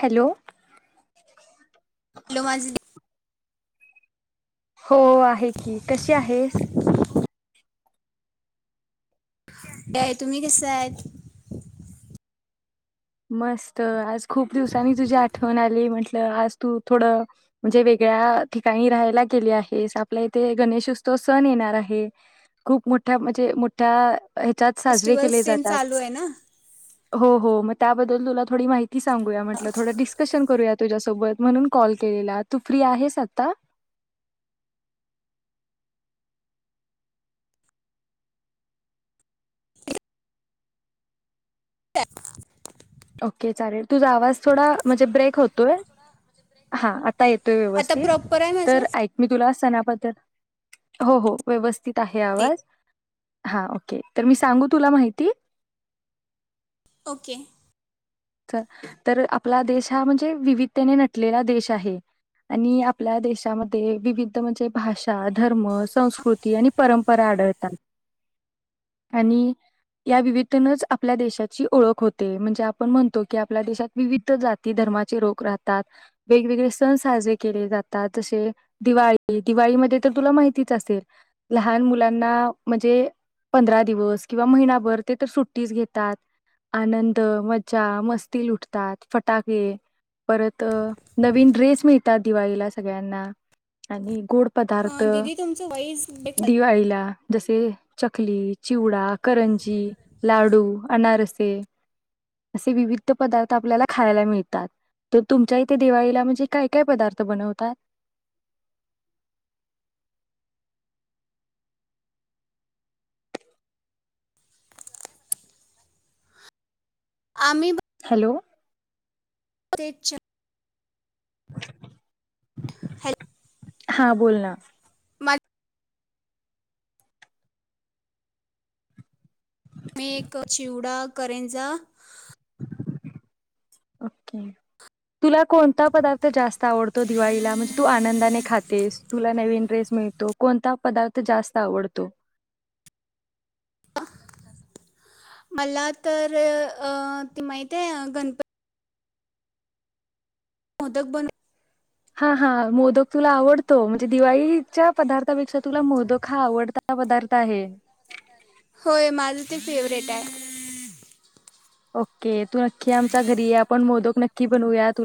Hello hello माझी हो आहे की कशी आहेस? काय तुम्ही कसायत? मस्त आज खूप दिवसांनी तुझी आठ वन आली म्हंटलं आज तू थोडं म्हणजे वेगळ्या ठिकाणी राहायला गेली आहेस. आपल्या इथे गणेशोत्सव सण येणार आहे खूप मोठ्या म्हणजे मोठ्या ह्याच्यात साजरे फेस्टिवल्स केले सेन जातात चालू आहे ना हो हो म त्याबद्ल तुला थोडी माहिती सांगूया म्हटलं थोड डीस्कशन करूयात. तुझ्यासोबत म्हणून कॉल केलेला. तू फ्री आहेस आता? त्या ओके चालेल तुझा आवाज थोडा म्हणजे ब्रेक होतोय हा आता येतोय आता व्यवस्थित प्रॉपर आहे माझं तर दीदी ऐक मी तुला सणाबद्दल हो हो व्यवथित आहे आवाज हा ओके तर मी सांगू तुला माहिती ओके तर आपला देश हा म्हणजे विविधतेने नटलेला देश आहे. आणि आपल्या देशामध्ये विविध म्हणजे भाषा, धर्म, संस्कृती आणि परंपरा आढळतात. आणि या विविधतेनच आपल्या देशाची ओळख होते. म्हणजे आपण म्हणतो की आपल्या देशात विविध जाती धर्माचे लोक राहतात. वेगवेगळे सण साजरे केले जातात. जसे दिवाळी दिवाळीमध्ये तर तुला माहितीच असेल लहान मुलांना म्हणजे पंधरा दिवस किंवा महिनाभर ते तर सुट्टीच घेतात आनंद म मजा मस्ती लुटतात फटाके परत नवीन ड्रेस मिळतात दिवाळीला सगळ्यांना आणि गोड पदार्थ अं, दीदी तुमचं वॉइस ब्रेक दिवाळीला जसे चकली, चिवडा, करंजी, लाडू, अनारसे असे विविध पदार्थ आपल्याला खायला मिळतात. तर तुमच्या इथे दिवाळीला म्हणजे काय काय पदार्थ बनवतात? आम्ही हॅलो तेच्या [inaudible] हॅल हा बोल ना मा मी एक चिवडा करेंजा ओके तुला कोणता पदार्थ जास्त आवडतो. दिवाळीला म्हणजे तू आनंदाने खातेस तुला नवीन ड्रेस मिळतो. कोणता पदार्थ जास्त आवडतो? मला तर अ ते माहित आहे गणपती मोदक बन हा हा मोदक तुला आवडतो म्हणजे दिवाळीच्या पदार्थापेक्षा तुला मोदक हा आवडता पदार्थ आहे. होय माझ ते फेवरेट आहे. ओके. तू नक्की आमच्या घरी आहे आपण मोदक नक्की की बनूयात.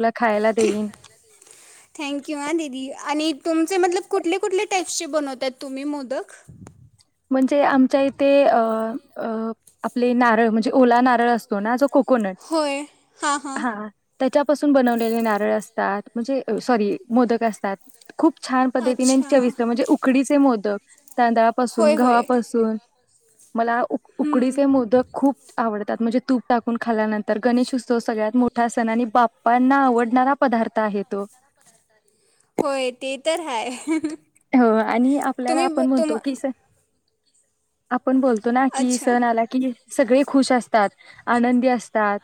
थँंक यू ह दिदी आणि तुमचे मतलब कुठले कुठले टाईप्स चे बनवतात तुम्ही मोदक? म्हणजे आमच्या इते अ.. अ.. आपले नारळ म्हणजे ओला नारळ असतो ना जो कोकोनट होय. हा. हा. त्याच्यापासून बनवलेले नारळ असतात. म्हणजे सॉरी मोदक असतात. खूप छान पद्धतीने अच्छा चविस्तं म्हणजे उकडीच ते मोदक तांदळापा ून होय होय घवापासून मला उक.. हम्म. उकडीचे मोदक खूप आवडत म्हणजे तूप टाकून खाल्यानंतर गणेश उत्सव सगळ्यात मोठा सण आणि बाप्पांना आवडणारा पदार्थ आहे तो. होय, ते तर हाय. हो आणि आपल्याला आपण म्हणतो की स पण बोलतो ना की अच्छा सण आला की सगळे खुशास तात, आनंदी असतात.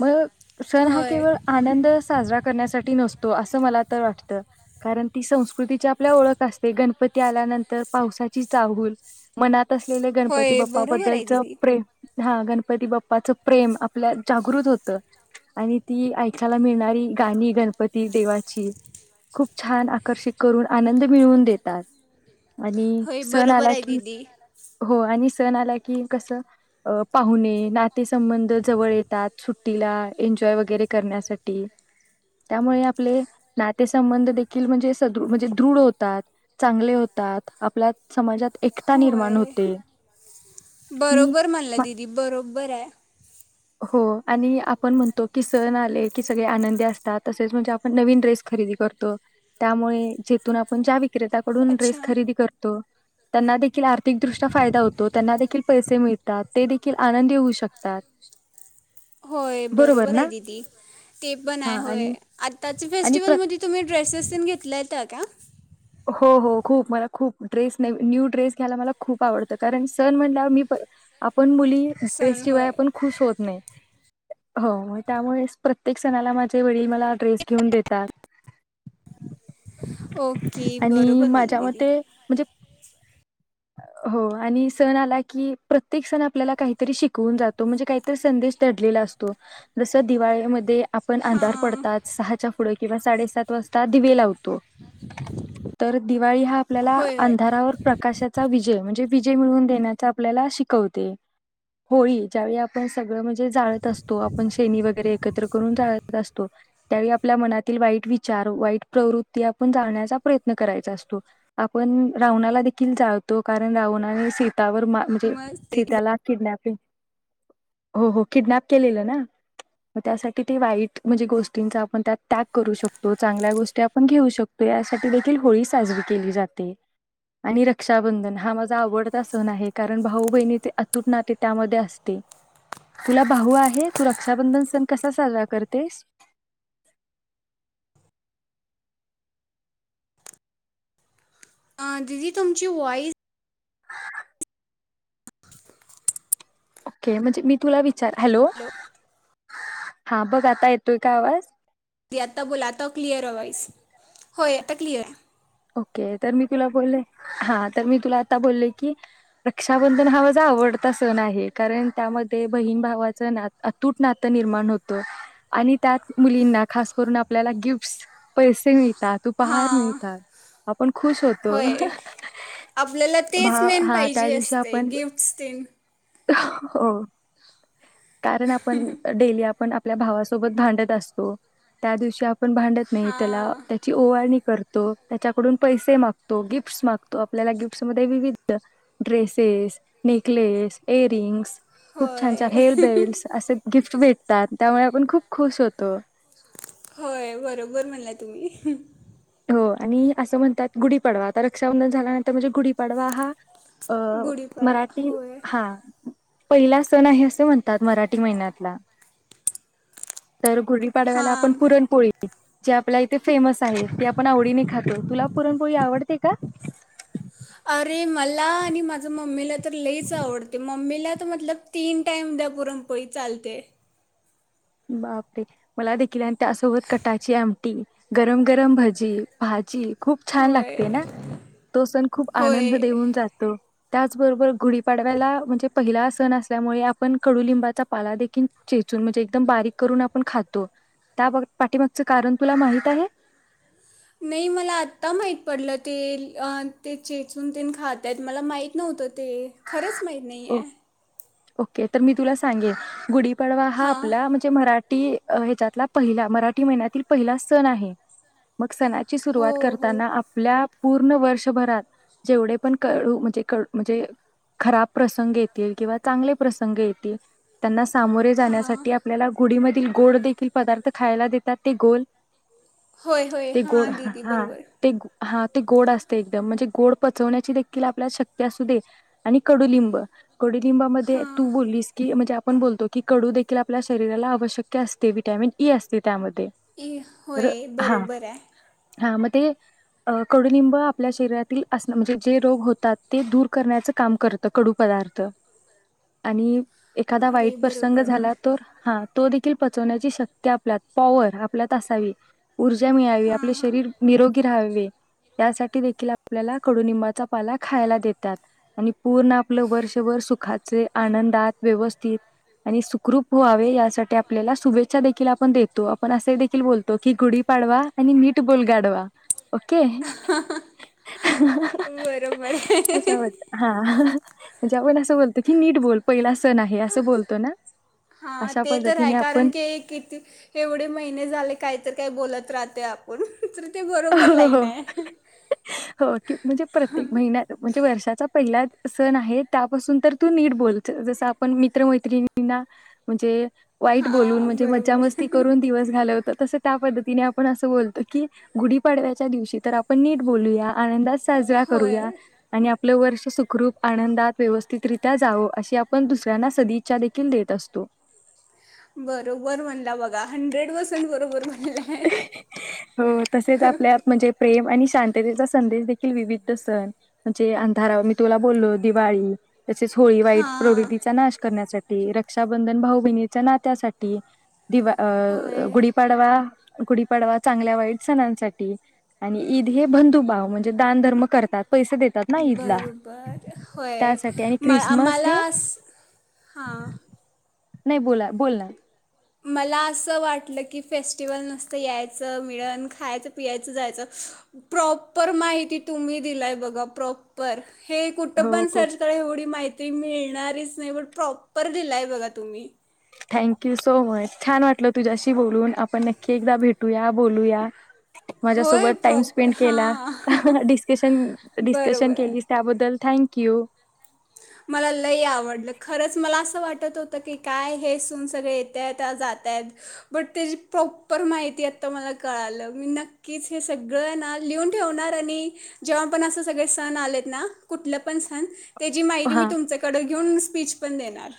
मग, सण हा होय केवळ आनंद साजरा करण्यासाठी नस तो, अस मला तर वाटत, कारण ती संस्कृतीच्या आपल्या ओळख सते, गणपती आल्यानंतर पावसाची चाहूल मनात तसगेल्या गणपती होय बाप्पा बरोबर आहे बद्दलचं दीदी प्रेम हा! गणपती बाप्पाचं प्रेम आपल्या जागृत होतं आणि ती ऐकायला मिळणारी गाणी गणपती देवाची खूप छान आकर्षित करून आनंद मिळून देतात. आणि होय सण बरोबर आला आहे की दीदी हो आणि सण आला की कसं पाहुणे, नातेसंबंध जवळ येतात, सुट्टीला एन्जॉय वगरे करण्यासाठी. त्यामुळे आपले नातेसंबंध देखील म्हणजे सदृ म्हणजे दृढ होत तात, चांगले होतात. आपल्या समाजात एकता होय. निर्माण होते आणि बरोबर म्हणल्या दिदी. बरोब्बराय. हो आणि आपण म्हणतो की सण आले की सगळे आनंदी असतात, तसेच म्हणजे आपण नवीन ड्रेस खरेदी करतो, त्यामुळे जेथून आपण ज्या व्य क्रेताकडून ड्रेस अच्छा खरेदी करतो. त्यांना दे. खिल आर्थिकदृष्ट्या फायदा होतो त्यांना देखील पैसे मिळत दा, ते देखील आनंदी होऊ शकतात. होय बरोबर आए दीदी, ते पण आहे हा होय. आणि आत्ताच्या आणि प्र फेस्टिवलमध्ये तुम्ही ड्रेसेस तून घेतलाय तागा हो हो खूप. मला खूप ड्रेस ने न्यू ड्रेस घ्यायला मला खूप आवडतं. कारण सण म्हटला मी आपण मुली सण ड्रेसशिवाय होय आपण खुश होत नाही. हो! म त्यामुळे प्रत्येक सणाला माझे वडील मला ड्रेस घेऊन देतात. ओके आणि बरोबर म्हणलं माझ्या दीदी मते म्हणजे, हो आणि सण आला की, प्रत्येक सण आपल्याला काहीतरी शिकवून जातो. म्हणजे काहीतरी संदेश दडलेला असतो जस दिवाळीमध्ये, आपण अंधार हां पडताच सहाच्या पुढे - - किंवा साडेसात वाजता दिवे लाव तो. तर दिवाळी हा आपल्याला होय होय अंधारावर प्रकाशात - - चा वि - - विजय म्हणजे विजय मिळून देण्याचा आपल्याला शिकवते. होळी, ज्यावेळी आपण सगळं म्हणजे जाळत असतो. आपण शेणी वगैरे एकत्र करून जय जाळत असतो. त्यावेळी आपल्या मनातील वाईट विचार, वाईट प्रवृत्ती, आपण जाळण्याचा प्रयत्न करायचा असतो. आपण रावणाला देखील जाळ - - तो कारण रावणाने सीतावर मा म्हणजे मग दीदी सिताला किडनॅप - - हो हो किडनॅप केलेलं ना? मी त्यासाठी वाईट म्हणजे गोष्टीचा आपण त्या त्याग करू शकतो, चांगल्या गोष्टी आपण घेऊ शकतो. यासाठी देखील होळी साजरी केली जाते आणि रक्षण- - रक्षाबंधन हा माझा आवडता सण आहे कारण भाऊ बहिणीचे अतुट नाते त्यामध्ये असते. तुला भाऊ आहे? तू रक्षाबंधन सण कसा साजरा करतेस? अं दिदी तुमची वॉइस ओके. म्हणजे मी तुला वि - - चार हॅलो. हा बघ आता येतोय का आवाज? आता बोला आता क्लिअरय व्हॉइस. होय आता क्लिअर हाय. ओके तर मी तुला बोलले, हा तर मी तुला आता बोलले की रक्षाबंधन हा माझा आवडता सण आहे. कारण त्यामध्ये बहिण भावाचं ना अतूट नातं निर्माण होतं आणि त्यात मुलींना खास करून आपल्याला गिफ्टस पैसे मिळ- - तात. उपहार हां मिळतात. खुश होतो होय. आपल्याला भा तेच मेन हा त्या पाहिजे दिवशी असतयं. आपण गिफ्टस तेन. हो. कारण आपण डेली आपण आ आपल्या भावासोबत भांडत असतो त्या दिवशी आप भांडत नाही त्याला हां त्याची ओवाळणी करतो. त्याकडून पैसे मागतो. गिफ्टस मागतो. आपल्याला गिफ्टसमध्ये विविध ड्रेसेस, नेकलेस, एयररिंग्स खूप छान छान होय हेअर बेल्ट असे गिफ्ट भेटतात. त्यामुळे आपण खूप खुश होतो. होय, बरोबर म्हणल्या तुम्ही. हो, आणि असं म्हणतात गुढीपाडवा, आता रक्षाबंधन झाल्यानंतर म्हणजे गुढीपाडवा हा अं गुढीपाडवा मराठी होय हा. पहिला सण आहे असे म्हणतात मराठी महिन्यातला. तर गुडी पाडव्याला आपण हां पुरण पोळी जे आपल्या इथे फेमस आहे. ते पण आवडीने खातो. तुला पुरणपोळी आवडते का? अरे मला आणि माझं मम्मीला तर लईच आवडते. मम्मीला मतल तीन टाईम द्या पुरणपोळी चालते. बापरे मला देखील त्यासोबत कटाची आमटी. गरम गरम भजी, भाजी खूप छान होय लागते ना. तो सण खूप आनंद होय देऊन जातो. त्याचबरोबर गुढीपाडव्याला म्हणजे पहिला सण असल्यामुळे आपण कडुलिंबाचा पाला देखील चेचून म्हणजे एकम बारीक करून आपण खातो. त्या पाठीमागच कारण तुला माहित आहे? नाही मला आता माहीत पडलं ते ते चेचून ते खातत मला माहित नव्हतं ते खरंच माहीत नाही ओ- आहे. ओके तर मी तुला सांगेन गुढी पाडवा हा हां आपला म्हणजे मराठी ह्याच्यातला पहिला मराठी महिन्यातील पहिला सण आहे. मग सणा ची सुरुवात हो हो करताना आपल्या पूर्ण वर्षभरात जेवढे पण कडु म्हणजे म्हणजे खराब प्रसंग येतील, किंवा चांगले प्रसंग येतील त्यांना सामोरे हां जाण्यासाठी आपल्याला गुढीमधील गोड देखील पदार्थ खायला देतात. ते गोल होय होय ते हा गोड दिदी बरोबर. ते हा ते गोड असते एकदम म्हणजे गोड पचवण्याची देखील आपल्याला शक्ती असू दे, आणि कडुलिंब कडु लींबामध्ये तू हां बोललीस की म्हणजे आपण बोलतो की कडू देखील आपल्या शरीराला आवशक असते, वि्हटॅमिन ई असते त्यामध्ये ए तर होय हा बरोबर आहे हा मग ते कडुलिंब आपल्या शरीरातील असण म्हणजे जे रोग होतात, ते दूर करण्याचं काम करत. कडू पदार्थ आणि एखादा वाईट अरे प्रसंग बरोबर झाला तर हा तो देखील पचवण्याची शक्ती आपल्या पॉवर आपल्यात असावी. ऊर्जा मिळावी, हां आपले हां शरीर निरोगी राहावे. त्यासाठी दे आपल्याला कडुनिंबाचा पाला खायला देतात. आणि पूर्ण आपलं वर्षभर दुखाचे, आनंदात व्यवस्थित आणि सुखरूप व्हावे यासाठी आपल्याला शुभेच्छा देखील आपण देतो, आपण असे देखील बोलतो की गुढी पाडवा आणि नीट बोलगाडवा. ओके बरोबर आहे असं वाटत हा जऊ ना सगोल [inaudible] निट बोल पहिला ना, हा अशा ते तर आहे, पद्धतीने आपण कारण की किती एवढे महिने झाले काहीत काय बोलत राह आपण [inaudible] बरोबर हो, लाईन हो, आहे हो, की म्हणजे प्रत्येक महिन्यात म्हणजे वर्षाचा- पहिला सण आहे त्यापासून तर तू नीट बोल, जस आपण मित्रमैत्रिणींना म्हणजे- वाईट बोलून हां म्हणजे मज्जा बरोबर मस्ती करून दिवस घालवतात तसं त्या पद्धतीने आपण असं बोलतो की गुढीपाडव्याच्या दिवशी तर आपण नीट बोलूया आनंदा साजरा करूया होय आणि आप आपलं वर्ष सुखरूप आनंदात व्यवस्थितरित्या जावं, अशी आपण दुसऱ्यांना सदिच्छा देखील देत असतो. बरोबर म्हणला, बघा हंड्रेड पर्सेंट बरोबर म्हण हो तसेच, आपल्यात म्हणजे प्रेम आणि शांततेचा संदेश देखील विविध सण म्हणजे अंधारावर मी तुला बोल्लो दिवाळी तसेच होळी वाईट हां प्रवृतीचा नाश करण्यासा ते रक्षाबंधन भाऊ बहिणीच्या नात्यासाठी. दिवा अ अ होय गुडीपाडवा गुढीपाडवा चांगल्या वाईट सणांसाठी आणि ईद हे बंधुभव म्हणजे दानधर्म करतात. पैसे देतात ना ईदला बरोबर. होय त्यासाठी आणि म ख्रिसमस हे आम्हाला अस, हां. नाही बोला, बोल ना मला असं वाटलं की, फेस्टिवल नुसतं, यायचं मिळणं, खायचं, प्यायचं, जायचं, प्रॉपर माहिती तुम्ही दिलाय बघा प्रॉपर. हे हो कुठपण खूप सर्च करा एवढी माहि ती मिळणारच नाई पण प्रॉपर दिलाय बघा तुम्ही. Thank you so much. छान वाटलं, तुझ्याशी बोलून आपण नक्की एकदा भेटूया बोलूया. होय माझ्यासोबत टाइम प्रॉपर स्पेंड केला हां डिस्कशन, डिस्कशन बरोबर आहे केलीस त्याबद्दल थँक यू. मला लय आवडलं खरच मला असं वाट टत होत की, काय हे सन सगळे येत्यात जात्यात बट त्याची प्रॉपर माहिती आता मला कळालं, मी नक्कीच हे सगळं ना लिहून ठेवणार आणि जेव्हा पण अस सगळे सण आलेत ना कुठलं पण सण त्याची मा मी हां तुमच्याकडे घेऊन स्पीच पण देणार.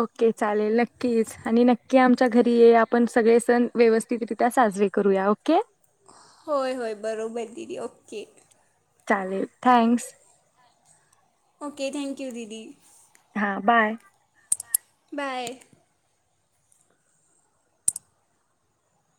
ओके चालेल, नक्कीच आणि नक्की आमच्या घरी ये, आपण सगळे सण व्यवस्थितरित्या साजरे करूया ओके. होय, होय, बरोबर दिदी ओके. चालेल, थँंक्स. ओके, थँक्यू दिदी. हा बाय. बाय.